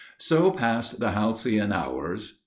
So passed the halcyon hours.